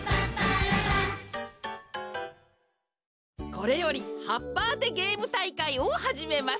これよりはっぱあてゲームたいかいをはじめます。